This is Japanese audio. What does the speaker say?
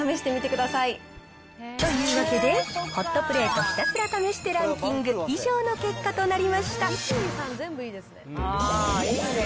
というわけで、ホットプレートひたすら試してランキング、以上の結果となりました。